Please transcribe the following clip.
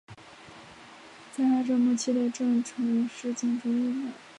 在二战末期的宫城事件中遇难。